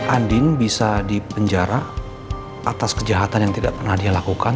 andin bisa dipenjara atas kejahatan yang tidak pernah dia lakukan